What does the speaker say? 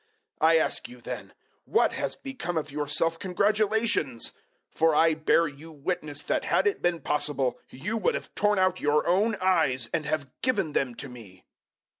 004:015 I ask you, then, what has become of your self congratulations? For I bear you witness that had it been possible you would have torn out your own eyes and have given them to me.